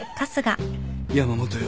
山本よ。